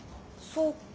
そっか。